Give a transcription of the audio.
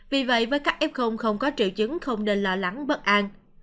vì vậy với các f không có triệu chứng không nên lo lắng bất an